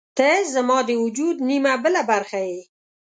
• ته زما د وجود نیمه بله برخه یې.